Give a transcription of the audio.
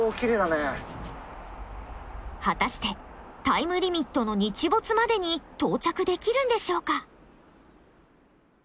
果たしてタイムリミットの日没までに到着できるんでしょうか？